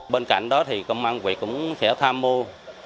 bên cạnh đó thì công an quyệt cũng sẽ tham mưu